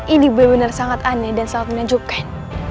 ini benar benar sangat aneh dan sangat menunjukkan